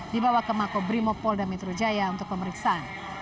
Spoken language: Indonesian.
dibawa ke mako brimopolda metrojaya untuk pemeriksaan